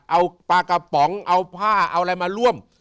เอาปลากระป๋องเอาผ้าเอาอะไรมาร่วม